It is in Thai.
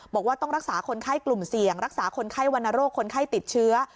บอกว่าต้องรักษาคนไข้กลุ่มเสี่ยงรักษาคนไข้วรรณโรคคนไข้ติดเชื้อ